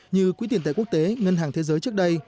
như quỹ tiền tệ quốc tế ngân hàng thế giới trước đây